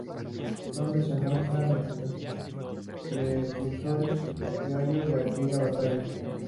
Donde se muestran los precursores criollos de aquella batalla.